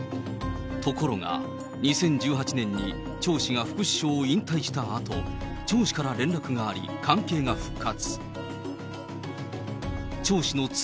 ところが、２０１８年に張氏が副首相を引退したあと、張氏から連絡があり、関係が復活。